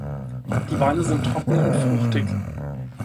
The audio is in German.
Die Weine sind trocken und fruchtig.